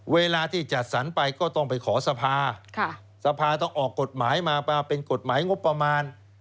เวลาที่จัดสรรไปก็ต้องไปขอสภาสภาต้องออกกฎหมายมามาเป็นกฎหมายงบประมาณ